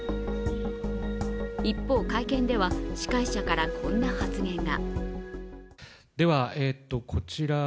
一方、会見では司会者からこんな発言が。